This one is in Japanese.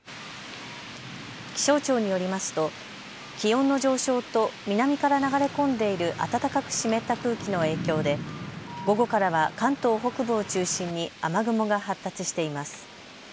気象庁によりますと気温の上昇と南から流れ込んでいる暖かく湿った空気の影響で午後からは関東北部を中心に雨雲が発達しています。